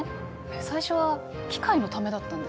最初は機械のためだったんですね。